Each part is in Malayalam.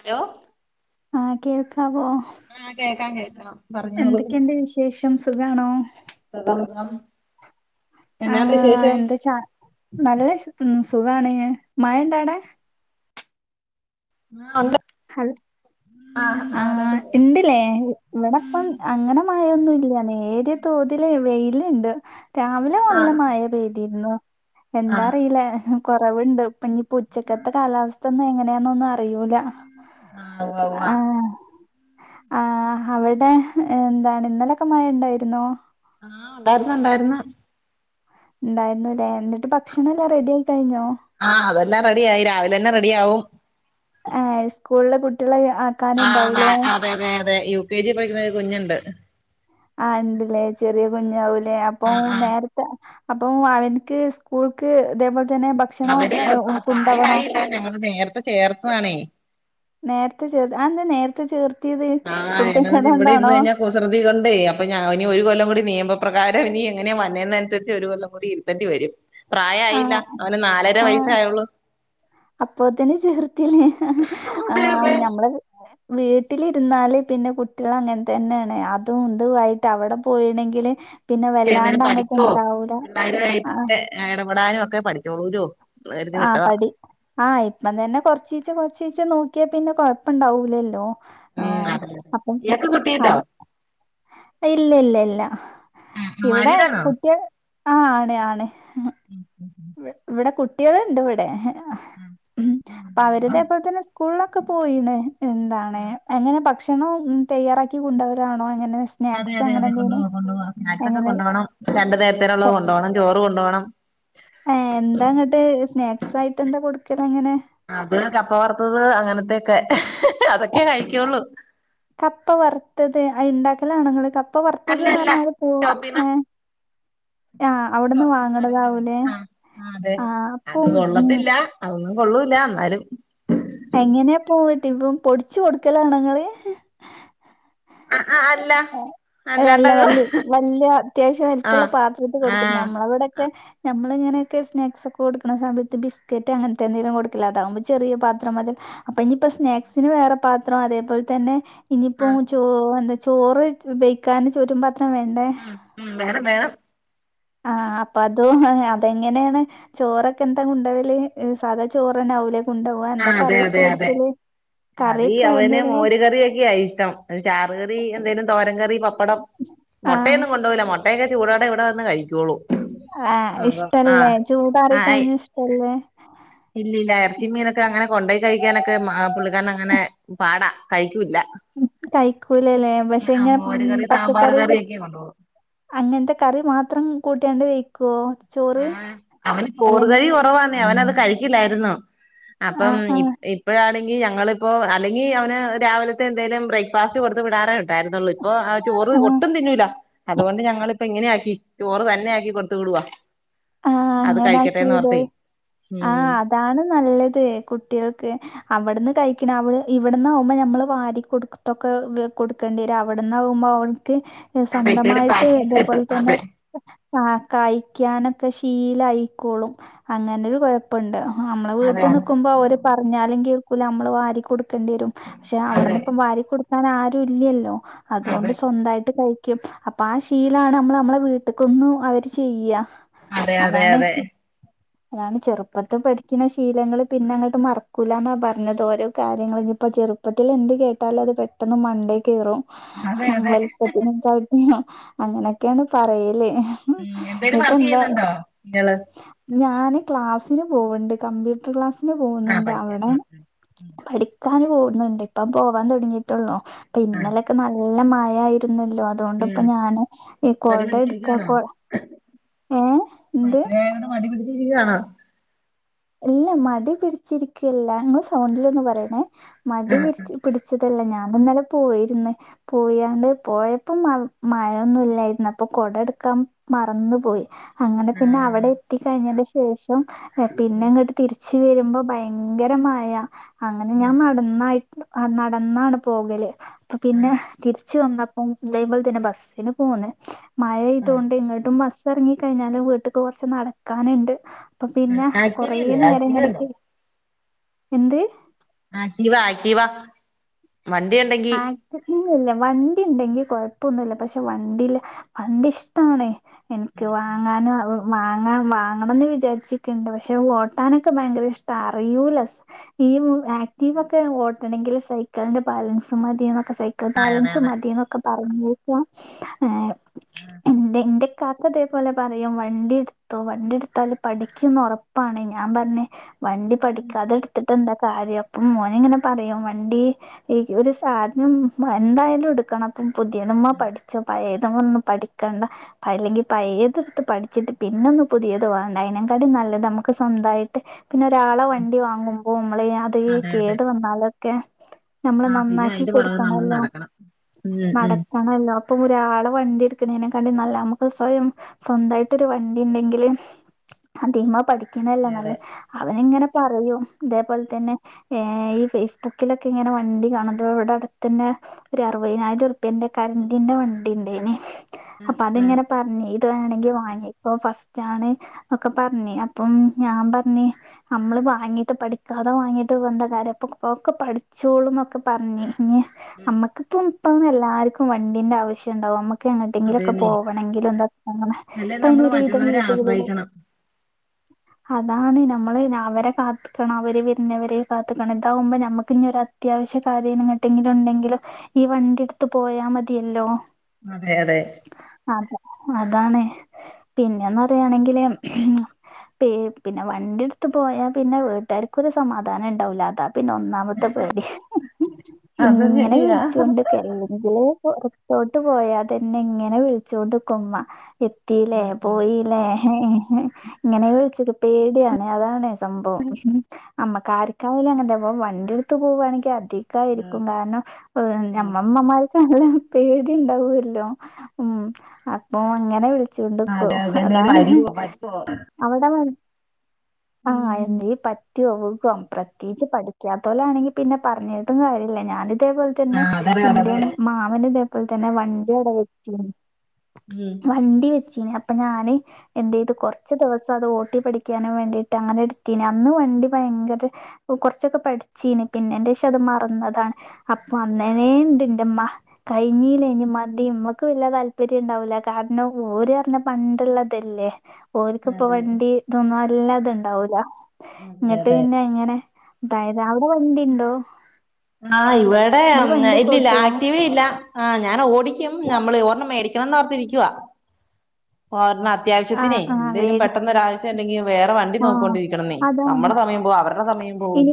ഹലോ ആ കേൾക്കാവോ? ആ കേൾക്കാം. കേൾക്കാം എന്തൊക്കെയുണ്ട് വിശേഷം സുഖാണോ? സുഖം സുഖം. ആ എന്നാണ്ട് വിശേഷം എന്താ ചാ നല്ല ച സുഖാണ് മഴ ഇണ്ടവടെ? ആ ഉണ്ട്. ഹ ആഹ് ആ ആരോട് ഇണ്ടല്ലേ ഇവിടെപ്പം അങ്ങനെ മ ഴയൊന്നൂല്ല. നേരിയ തോതില് വെയിലുണ്ട്. രാവിലെ നല്ല ആഹ് മയ പെയ്തിരുന്നു. എന്താറിയില്ല കുറവുണ്ട്. ഇപ്പൊ ഇനി ഇപ്പ ഉച്ചക്കത്തെ കാലാവസ്ഥ ഇന്ന് എങ്ങനാന്നെന്നൊന്നും അറി യ്യൂല. ആ ഉവ്വ ഉവ്വ. ആ അവിടെ എന്താണ് ഇന്നലൊക്കെ മഴ ഉണ്ടായിരുന്നോ? ആ ഉണ്ടായിരുന്നു ഉണ്ടായിരന്ന്. ഉണ്ടായിരുന്നൂല്ലേ. എന്നിട്ട് ഭക്ഷണം എല്ലാം റെഡി ആയി കഴിഞ്ഞോ? ആ അതെല്ലാം റെഡി ആയി രാവിലെ തന്നെ റെഡി ആവും. ആ സ്കൂളിലെ കുട്ടികളെ ആ നാ ആക്കാനുണ്ടാവൂലേ അതെ അതെ അതെ യു കെ ജി പഠിക്കണ ഒരു കുഞ്ഞുണ്ട്. ആ ഇണ്ടല്ലേ ചെറിയ കുഞ്ഞാവൂലേ അപ്പം നേരെത്ത അപ്പം അവനിക്ക് സ്കൂൾക്ക് ഇതേപോലെ തന്നെ ഭക്ഷണം അവര് കുണ്ടോവണോ. ത്തെ ചേർത്തതാണേ. നേരത്തെ ചേർത്ത്. അതെന്തേ നേരത്തെ ചേർ ആ എന്നന്നോയ്ച്ചാ ഇവിടെ ഇരുന്ന് കഴിഞ്ഞാ കുസൃതി കൊണ്ടേ അപ്പൊ ഞാന് ഒരു കൊല്ലം കൂടി നിയമ പ്രകാരം ഇനി എങ്ങനെയാ വന്നേന്നനുസരിച്ച് ഒരു കൊല്ലം കൂടി ഇരുത്തണ്ടി വരും. പ്രായ ആയില്ല അവന് നാലര വയസേ ആയുള്ളൂ. അപ്പൊത്തിന് ചേർത്തില്ലേ ആ വയസ്സായുള്ളൂ ഞമ്മള് വീട്ടിലിരുന്നാല് പിന്നെ കുട്ടികൾ അങ്ങനെ തന്നെയാണ്. അതും ഇതു ആയിട്ട് അവിടെ പോയാണെങ്കില് കുട്ടി അന്നേരം പഠിക്കോ ആഹ് പിള്ളേരുമായിട്ടൊക്കെ ഇടപെടാനും ഒക്കെ പഠിച്ചോളൂലോ. ആ പഠി ആ ഇപ്പം തന്നെ കൊറച്ചീച്ചെ കൊ റച്ചീച്ചെ നോക്കിയാ പിന്നെ കൊഴപ്പുണ്ടാവില്ലല്ലോ. ആ ഉം അതെ അതെ അപ്പം ഇയാക്ക് കുട്ടിയുണ്ടോ അതെ. ഇല്ല ഇല്ല ഇല്ല ഉം ഇവിടെ മാരീഡാണോ കുട്ടി ആ ആണ് ആണ് [unintelligible] ഇവ ഇവിടെ കുട്ടികളുണ്ട് ഇവിടെ. ഉം ഉ അപ്പൊ അവരിതെപ്പോഴ്ത്തന്നെ സ്കൂളിലൊക്കെ പോയീണ് എന്താണ് എങ്ങനെ ഭക്ഷ ഭക്ഷണം തയ്യാറാക്കി കൊണ്ടോവലാണോ. അതെ അതെ കൊണ്ട് പോവ കൊണ്ട്‌ പോവ സ്നാക്ക്സ് ഒക്കെ എങ്ങനെ കൊണ്ടോണം രണ്ട്‌ കൊ നേരത്തിനുള്ളത് കൊണ്ട് പോവണം ചോറ് കൊണ്ട് [unintelligible] ആ ഏ എന്താ ങ്ങട്ട് സ്നാക്സ് ആയിട്ട് എന്താ കൊടുക്കലങ്ങനെ? ക്കെ [unintelligible] കപ്പ വറുത്തത് അത് ഇണ്ടാക്കലാണങ്ങള് കപ് പ്പ വർത്തത് അല്ല അല്ല ന്നർഞ്ഞാല് പോ ഷോപ്പിന്ന് ഏ ആഹ് അവിടുന്ന് വാങ്ങണതാവൂലേ [inaudible] ആ അതെ ആഹ് അത് അപ്പം ഉം കൊള്ളത്തില്ല അതന്നും കൊള്ളൂല ന്നാലും എങ്ങനെയാ പോയിട്ട് പ്പം പൊടിച്ചു കൊടുക്കലാ ങ്ങള് അ ആ അല്ല അല്ല അല്ലാണ്ടങ്ങ് വല്യ വല്യ അത്യാവശ്യം ആ വലിപള്ള പാത്രത്ത് ആ കൊടുക്കല് ആ നഞമ്മളവടൊക്കെ ഇങ്ങനെയൊക്കെ സ്നക്സ് ഒക്കെ കൊടുക്ക്ണ സമയത്ത് ബിസ്ക്കറ്റ് അങ്ങൻത്തെ കൊടുക്കല് അതാവുമ്പോ ചെറിയ പാത്രം മതി അപ്പൊ ഇനിയിപ്പ സ്നാക്സിന് വേറെ പാത്രം അതേപോലെ തന്നെ ഇനിയിപ്പോ ആ ചോ എന്താ ചോറ് വെയക്കാന് ചോറ്റു പാ ഉം ഉം വേണം വേണം ആ അപ്പൊ അതോ അതെങ്ങനെണ് ചോറൊക്കെ എന്താ കൊണ്ടവല്? ങ് സാധാ ചോറ് ആവും ലെ? ആ അതെ അതെ അതെ അതീ കറിയൊക്കെ അവന് എന്തായിരുന്നു മോര് കറിയൊക്കെ ഇഷ് [unintelligible] ചാറുകറി എന്തേലും തോരംകറി പപ്പടം ആഹ് മൊട്ടയൊന്നും കൊണ്ടവൂല മോ ട്ടയൊക്കെ ചൂടോടെ ഇവിടെ വന്ന് കഴിച്ചോളും ആഹ് ഇഷ്ടല്ലെ? ചൂടാറി കഴിഞ്ഞ ഇഷ്ടല്ലെ? ഇല്ല ഇല്ല ഇറച്ചി മീനൊക്കെ അങ്ങനെ കൊണ്ടോയി കഴിക്കാനൊക്കെ ആ പുള്ളിക്കാരൻ അങ്ങനെ പാടാ കഴിക്കൂല്ല. കഴക്കൂലലെ പക്ഷെ ആ ഞാൻ മോര് കറി സാമ്പാർ പച്ചക്കറീല് കറി ഒക്കെ കൊണ്ടോവും അങ്ങനത്തെ കറി മാത്രം കൂട്ടിയാണ്ട് വെയ്ക്കോ? ആ അവന് കൂടുതല് കുറവാണ് അവനത് കഴിക്കലായിരുന്നോ? അപ്പം ആഹ് ആഹ് ഇപ്പോഴാണ് ങ്കി ഞങ്ങളിപ്പോ അല്ലെങ്കി അവന് രാവിലത്തെ എന്തേലും ബ്രേക്ക്ഫാസ്റ്റ് കൊടുത്ത് വിടാറേ ഉണ്ടായിരുന്നുള്ളൂ പ്പൊ ആ ചോറ് ആഹ് ഒട്ടും തിന്നൂല പ്പോ ആ ചോറ് ഒട്ടും തിന്നൂല്ല അതുകൊണ്ട് ഞങ്ങിപ്പോ ഇങ്ങനെയ ആക്കി ചോറ് തന്നെ ആക്കി കൊടുത്ത വിടുവാ. ആ അത് അങ്ങന ആക്കി കഴിക്കട്ടെന്ന് വിട ഓർത്തേ ഉം ആഹ് അതാണ് നല്ലത് കുട്ടികൾക്ക് അവിടുന്ന് കഴിക്കണവൾ ഇവിട്ന്ന് ആകുമ്പോൾ നമ്മള് വാരി കൊടുത്തൊക്കെ കൊടുക്കേണ്ടി വരും അവിടന്നാവകുമ്പോൾ അവൻ അതെ ഇച്ചിരൂടെ ത്സ്വന്തമായിട്ട് പ്രാക്ടീസ് കിട്ടും അതേപോലെ തന്നെ അതെ കായിക്കാനും ക്കെ ശീലയിക്കോളും അങ്ങനെരു കൊഴപ്പണ്ട് നമ്മളെ വീട്ടിൽ അതാണ് നക്കുമ്പോ അവര് പറഞ്ഞാലും കേൾക്കൂല നമ്മള് വാരി കൊട് ക്കണ്ടിരും പക്ഷെ അതെ അവിടുന്ന് ഇപ്പ വാരി കൊടുക്കാൻ ആരും ഇല്ലല്ലോ? അതുകൊണ്ട് അതെ സ്വന്തായിട്ട് കഴി ക്കും അപ്പ ആ ശീലമാണ് നമ്മൾ നമ്മളെ വീട്ടക്കൊന്നും അവര് ചെയ്യ അതെ അതെ അതെ ഞാൻ ചെറുപ്പത്ത് പഠിക്കുന്ന ശീലങ്ങൾ പിന്നെ [unintelligible] പിന്നെ അങ്ങോട്ട് മറക്കൂല എന്ന പറഞ്ഞത് ഓരോ കാര്യങ്ങളൾ ഇനി ഇപ്പോ ചെറുപ്പത്തിൽ എന്ത് കേട്ടാ അല്ലത് പെട്ടെന്ന് മണ്ടേ കേറും അതെ അതെ [unintelligible] അങ്ങനൊക്കെയാണ് പറയല് ഉം എന്തേലും എന്നിട്ടെന്താ വർക്കെയ്യുന്നുണ്ടോ ങ്ങള് ഞാന് ക്ലാസ്സിന് പോവ്ണ്ട് കമ്പ്യൂട്ടർ ക്ലാസ് ആ പോകുന്നുണ്ട് പഠിക്കാൻ അവിടെ ഉം ഉം പഠിക്കാന് പോകുന്നുണ്ട് ഇപ്പം പോവാൻ തൊടങ്ങിയിട്ടുള്ളു പ്പ ആ ഇന്നലൊക്കെ നല്ല മഴയായിരു ന്നല്ലോ അതോണ്ട് ഇപ്പ ഉം ഞാന് ഈ മടി കൊട എടുക്ക പിടിച്ചിരിക്കുവാണോ കൊ ഏ എന്ത്? ടി വി ണ ഇല്ല മടി പിടിച്ചിരിക്കല്ല ഒന്ന് സൗണ്ടിലൊന്ന് പറയണേ. മടി ആ പിടി ല്ല ഞാൻ ഇന്നലെ പോയിരുന്നു പോയാണ്ട് പോയപ്പോ മഴൊന്നും ഇല്ലായിരുന്നു അപ്പൊ കൊട എടുക്കാ മറന്നു പോയി. അങ്ങനെ ആ പിന്നെ അവിടെ എത്തി കഴിഞ്ഞെന്റെ ശേഷം ഏ പിന്നെ ഉം ഇങ്ങട്ട് തിരി വരുമ്പ ഭയങ്കര മഴ അങ്ങനെ ഞാൻ ഉം നടന്ന യി ആ നടന്നാണ് പോകല് അപ്പോ ആ പിന്നെ തിരിച്ച് വന്ന പ്പം ഇതേപോലെ തന്നെ ബസ്സിന് പോന്ന് ആ മഴെയ്തോണ്ട് ഇങ്ങട്ടും ബസ് സെറങ്ങി കഴിഞ്ഞാലും വീട്ട്ക്ക് കൊറച്ച് നടക്കാന്ണ്ട് അപ്പോ ഉം പിന്നെ കൊറേ ആക്റ്റീവയില്ലേ നേരം ആക്റ്റീവ ഉണ്ടോ ഇങ്ങനെകൊ എന്ത്? ആക്ടീവ ആക്ടീവ ആക്ടിടിവ അല്ല വണ്ടി ഇണ്ടെങ്കി കൊഴപ്പൊന്നുംല്ല പക്ഷെ വണ്ടില്ല. വണ്ടി ഇഷ്ടാണ് ഇൻക്ക് ഉം വാങ്ങാനും ഓ വാങ്ങാ വാങ്ങണംന്ന് വിചാരിച്ച്ക്ക്ണ്ട്. പക്ഷെ ഓട്ടാനൊക്കെ ഭയങ്കര ഇഷ്ട അറയൂല [unintelligible] ആക്ടീവ ഒക്കെ ഓട്ടണെങ്കില് സൈക്കിളിന്റെ ബാലൻ സ് മതിന്നൊക്കെ സൈക്കിൾ അതെ ബാലൻസ് അതെ മതിന്നൊക്കെ പറഞ്ഞ്പ്പോ ഏ എന്ത ഇന്റെ കാക്ക ഇതേപോലെ പറയും വണ്ടി എടുത്തോ വണ്ടി എടുത്താല് പഠിക്കുംന്ന്ഒറപ്പാണ്. ഞാൻ പറഞ്ഞഞ്ഞു. വണ്ടി പഠിക്കാതെ എട്ത്തിട്ട് എന്താ കാര്യം. അപ്പോ മോനിങ്ങനെ പറയും വണ്ടി ഈ ഈ ഒരു സാധനം എന്തായാലും എടുക്കണം അപ്പം പുതിയതുമ്മ ഉം പഠിച്ചോ പയേ തുമ്മ ഒന്നും പഠിക്കണ്ട. അല്ലെങ്കി പയേതെട്ത്ത് പഠിച്ചിട്ട് പിന്നൊന്ന് പുതിയത് വാണ്ടേ അയ്നെംകാട്ടി ന ല്ലത് അമ്മക്ക് സ്വന്തായിട്ട് പിന്നെ ഒരാളെ വണ്ടി വാങ്ങുമ്പോ മ്മള് അത് അതെ അതെ കേട് വന്നാലൊക്കെ ഞമ്മള് ആ പിന്നെ നന്നാക്കി അയിന്റെ പുറകെ നമ്മൾ കൊടുക്കണല്ലോ നടക്കണം ഉം ഉം നടക്കണല്ലോ ഇപ്പം ഒരാളെ വണ്ടി എടുക്കണേനെക്കാട്ടി നല്ല, നമ്മക്ക് സ്വയം സ്വന്തായിട്ടൊരു വണ്ടി ഇണ്ടെങ്കില് അതീമ്മ പഠിക്കന്നെല്ലേ അതെ നല്ലേ അതെ അവന് ഇങ്ങനെ പറയും ഇതേപോലെ തന്നെ ഏ ഈ ഫേസ്ബുക്കിലൊക്കെ ഇങ്ങനെ വ ണ്ടി കാണുമ്പ ഇവിടെ അടുത്തെന്നെ ഒരു അറുവയിനായിരം ഉറുപ്പ്യൻ്റെ കരണ്ടിന്റെ വണ്ടി ഇണ്ടേയ്നി. ഉം അപ്പോ അത് ഉം ഇങ്ങനെ പറഞ്ഞെ വേണെങ്കിൽ വാങ്ങിക്കോ ഫസ്റ്റാണ് ഒക്കെ പറഞ്ഞ്. അപ്പം ഞാൻ പറഞ്ഞ് അമ്മള് വാങ്ങീട്ട് പഠിക്കാതെ വാങ്ങീട്ട് ഇപ്പെന്ത കാര്യം ഒ ഒക്കെ പഠി ച്ചോളുംന്നൊക്കെ പറഞ്ഞ്. ഇനി ഉം അമ്മക്കിപ്പ ഇപ്പം എല്ലാർക്കും വണ്ടിന്റെ ആവശ്യം ഇണ്ടാവും അമ്മ ക്കെങ്ങട്ടെങ്കിലൊക്കെ അതേന്നെ പോവണെങ്കിലും [unintelligible] അല്ലേ ഇപ്പം അയിന് നമ്മള് ഒരുവിധം മറ്റുള്ളവരെ വീടുകളിലും ആശ്രയിക്കണം അതാണ്, നമ്മള് ഞ അവരെ കാത്ത്ക്കണം അവര് വരുന്നവരെ കാത്ത്ക്കണം ഇതാവുമ്പോ ഞമ്മക്ക് ഇനി ഒരു അ ത്യാവശ്യ കാര്യം എങ്ങട്ടെങ്കിലും ഇണ്ടെങ്കിലും ഈ വണ്ടി എടുത്ത് പോയാ മതിയല്ലോ. അതെ അതെ അത അതാണ് പിന്നെന്ന് പറയാണെങ്കില്. പി പിന്നെ വണ്ടി എടുത്ത് പോയാ പിന്നെ വീട്ടാര്ക്കൊരു സമാധാനം ഇണ്ടാവൂല അതാ പിന്നെ ഒന്നാമത്തെ പേടി. അത് ഇങ്ങനെ ശരിയാ വിളിച്ചൊണ്ട്ക്കും അല്ലെങ്കില് പൊറത്തോട്ട് പോയാതന്നെ ഇങ്ങനെ വിളിച്ചോണ്ട്ക്കും ഉമ്മ എത്തീലെ ഉം ഉം പോയീലെ ഇങ്ങനെ വിളിച്ച്ക്കും പേടിയാണ് അതാണ് സംഭവം. അമ്മക്കാരിക്കായാലും അങ്ങനത്തെ ഇപ്പോ വണ്ടിയെടു ത്ത് പോവാണെങ്കി ഉം അധികായിരിക്കും കാരണം ഏ ഞമ്മ ഇമ്മമാര് ക്ക് നല്ല പേടിണ്ടാവു അല്ലോ. ഉം അപ്പോ അങ്ങനെ വിളി ച്ചോണ്ട്ക്കും അതെ അതെ എന്തേലും അതാണ്. വരുവോ പറ്റോ അവിടെ വ ആ എന്തേ പറ്റോ വികോ പ്രത്യേകിച്ച് പഠിക്കാ ത്തോലാണെങ്കി പിന്നെ പറഞ്ഞിട്ടും കാര്യല്ല ഞാന് ഇതേപോലെ തന്നെ ആഹ് അതറിയ ഇന്റെ അതതെ മാമന് ഇതേ പോലെ തന്നെ വണ്ടിയവിടെ വെച്ചീനു. ഉം വണ്ടി വെച്ചീനെ അപ്പം ഞാന് എന്തെയ്തു കൊറച്ച് ദിവസം അത് ഓട്ടി പഠിക്കാനും വേണ്ടിട്ട് അങ്ങനെ എടുത്തീന് അന്ന് വണ്ടി ഭ യങ്കര ഇപ്പോ കൊറച്ചൊക്കെ പഠി ച്ചീനു പിന്നെന്റെഷം അത് മറന്നതാണ്. അപ്പോ അന്നനെണ്ട് ഇന്റെമ്മ കഴിഞ്ഞീലെ ഇനി മതി. മ്മക്ക് വല്യ താല്പര്യംണ്ടാവൂല്ല. കാരണം ഓര്അർഞ്ഞാ പണ്ട്‌ള്ളതല്ലേ ഓല്ക്ക്പ്പൊ അതെ വണ്ടി തോന്നും അല്ലാത്ണ്ടാവൂല. അതെ ന്ന്ട്ട് അതെ പിന്നെ ഇങ്ങനെ തായത് അവ്ടെ വണ്ടിണ്ടോ ആ. ഇവടെ നിങ്ങൾ വണ്ടിയൊക്കെ ഇല്ലില്ല. ഓട്ടുവോ ആക്റ്റീവേ ഇല്ല ആ ഞാനോടിക്കും നമ്മള് ഓർണ്ണം മേടിക്ക ണം ന്നോർത്തിരിക്കുവ ഓർണം ആഹ് അത്യാവശ്യത്തിനെ. ആഹ് എന്തേലും വേടി പെട്ടെന്ന് ഒരാവശ്യംണ്ടെങ്കി വേറെ വണ്ടി ആഹ് നോക്കൊണ്ടിരിക്കണംന്നേ അതാണ് നമ്മടെ സമയം പോ അവര്ടെ സമയം പോവും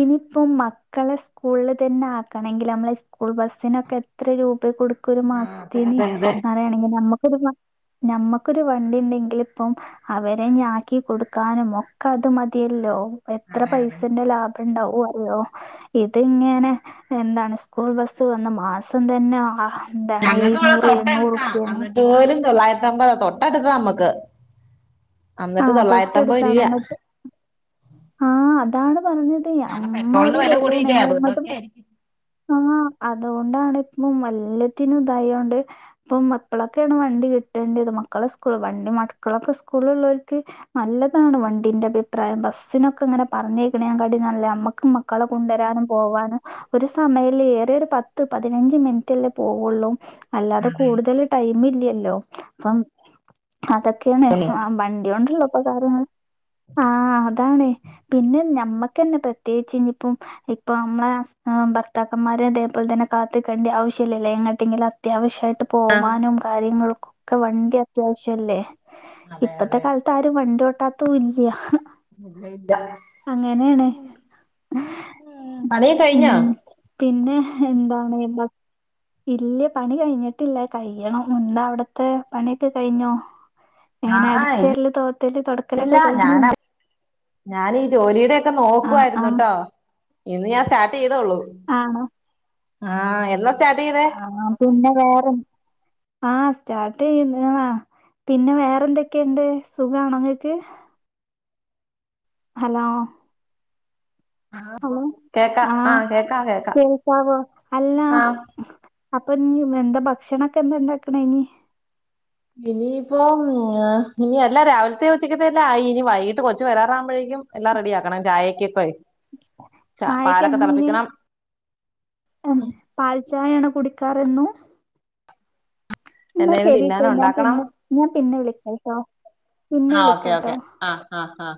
ഇനിപ്പം മക്കളെ സ്കൂള് തന്നെ ആക്കണെങ്കില് നമ്മള് സ്കൂൾ ബസ്സിനൊക്കെ എത്ര രൂപെ കൊടുക് ക്ക് ഒരു ആഹ് അതെ മാസത്തിനി അതെ അതെ പറയാണെങ്കി നമ്മക്കൊരു മ ഞമ്മക്കൊരു വണ്ടിണ്ടെങ്കില് പ്പം അവരെ ഞാക്കി കൊടുക്കാനും ഒക്കെ അത് മതിയല്ലോ എത്ര അതെ അതെ പൈസന്റെ ലാ ഭം ണ്ടാവുഅറിയോ. ഇത്ങ്ങനെ എന്താണ് സ്കൂൾ ബസ്സ് വന്ന മാസം തന്നെ ആഹാ ഞങ്ങൾക്ക് ഇവടെ തൊട്ടടുത്താ. എന്നിട്ട് പോലും തൊള്ളായി രത്തബതാ. തൊട്ട അടുത്ത നമ്മക്ക് ആ അന്നിട്ട് തൊള്ളായിരത്തമ്പത് തൊട്ടടുത്താണ് ര്യാ അങ്ങോട്ട് ആ അതാണ് പറഞ്ഞത് കാരണം പെട്രോളിന് അമ്മാരി വെല കൂടിയില്ലെ അതുണ്ടെന്നെ ആരിക്കും ആഹ് അതുകൊണ്ടാണ് ഇപ്പൊ മല്ലത്തിനും ഇതായോണ്ട് ഇപ്പം മക്കളൊക്കെണ് വ ണ്ടി കിട്ടേണ്ടത്. മക്കളെ സ്കൂ വണ്ടി മക്കളൊക്കെ സ്കൂള് ള്ളോല്ക്ക് നല്ലതാണ് വണ്ടിന്റെ അഭിപ്രായ യം. ബസ്സിനൊക്കെ ഇങ്ങനെ പറഞ്ഞയക്ക്ണക്കാട്ടി നല്ല നമ്മക്ക് മക്കളെ കൊണ്ടൊരാനും പോവാനും ഒര് സ് സമയല്ലെ ഏറിയാ ഒരു പത്ത് പതിനഞ്ച് മിൻറ്റെല്ലെ പോവൊള്ളൂ അല്ലാതെ കൂടുതല് ടൈമില്യല്ലോ പ്പം. അതൊക്കേണ് ആ വണ്ടിയോണ്ട്‌ള്ള പകാര്യങ്ങള്. ആ അതാണെയ് പിന്നെ ഞമ്മക്കെന്നെ പ്രത്യേച്ച് ഇഞ്ഞ് പ്പം ഇപ്പ നമ്മളെ ഹസ് പ്പാ ഭർ ത്താക്കൻ മാരെ തേപോല് തന്ന കാത്ത് ക്കണ്ട ആവശ്യല്യല്ലോ. എങ്ങട്ടെങ്കിലും അത്യാവ്ശ്യയ് ട്ട് പോവാനും കാര്യങ്ങൾക്കൊക്കെ വണ്ടി അത്യാവ്ശ്യല്ലേ അതെ അതെ ഇപ്പത്തെ അതെ കാല്ത്ത് ആരും വണ്ടി ഓട്ടാതൗഇല്യ [unintelligible] പണി ഉം കഴിഞ്ഞേ പിന്നെ എന്താണ് എന്താ. ഇല്യ. പണി കൈഞ്ഞിട്ടില്ല കയ്യണം. ന്ന്താ അവിടത്തെ പണിഒക്കെ കൈഞ്ഞോ എങ്ങനെ ആഹ് ആഹ് അടിച്ച് ഇല്ല വാരല് തോത്തല് തൊടക്കലൊക്കെ കഴിഞ്ഞോ ഞാനീഈ ജോലീടെയൊക്കെ ആഹ് നോക്കുവായിര്ന്നു ആഹ് ട്ടോ ഇന്ന് ഞാൻ സ്റ്റാർട്ട് ചെയ്തോള്ളു. ആഹ് എന്നാ സ്റ്റാർട്ട് ചെയ്തേ ആ പിന്നെ വേറെ എന്. ആ സ്റ്റാർട്ട് ചെയ്യുന്ന് ആ പിന്നെ വേറെന്തൊക്കെണ്ട്. സുഖാണൊങ്ങക്ക് ഹലോ ഹലോ. കേക്കാം ആഹ്. കേക്കാം കേക്കാം കേൾക്കാവൊ അല്ല ആഹ് അപ്പൊ ഇനി എന്താ ഭക്ഷണൊക്കെ എന്താണ്ടാക്ണെ ഇനി ഇനിയിപ്പോ ഞാ ഇനി അല്ല രാവില്ത്തെ ഒച്ചക്കതെല്ലാ ആയി. ഇനി വൈകിട്ട് കൊച്ചു വരാറാവുബഴേ കും എല്ലാം റെഡിയാക്കണം. ചായക്പേഴ് ചായക് ഇന്നഞ്ഞി ഉം. പാൽ ചായേണോ കുടിക്കാറെന്നും ന്നാ എന്തെങ്കിലും ശരിട്ടോ. തിന്നാനും ഞാൻ ഉണ്ടാക്കണം പിന്നെ ഞാൻ പിന്നെ വിളിക്കട്ടോ പിന്നെ ആഹ് ഓക്കെ വിളിക്കട്ടോ ഓക്കെ ആഹ് ആഹ് ആഹ്